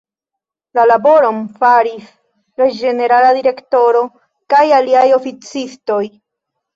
La laboron faris la Ĝenerala Direktoro kaj aliaj oficistoj.